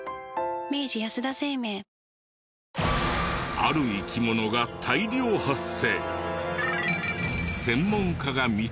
ある生き物が大量発生！